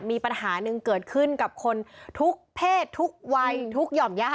มีปัญหาหนึ่งเกิดขึ้นกับคนทุกเพศทุกวัยทุกหย่อมย่า